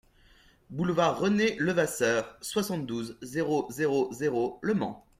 Boulevard René Levasseur, soixante-douze, zéro zéro zéro Le Mans